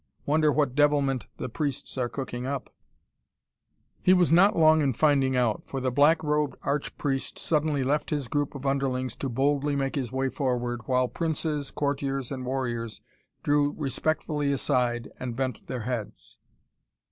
Wonder what devilment the priests are cooking up?" He was not long in finding out, for the black robed arch priest suddenly left his group of underlings to boldly make his way forward, while princes, courtiers and warriors drew respectfully aside and bent their heads.